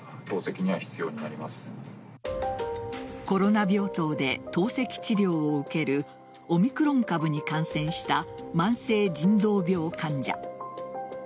コロナ病棟で透析治療を受けるオミクロン株に感染した慢性腎臓病患者。